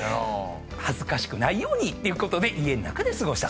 恥ずかしくないようにってことで家の中で過ごしたそうなんです。